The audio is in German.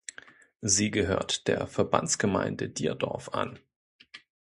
Sie gehört der Verbandsgemeinde Dierdorf an.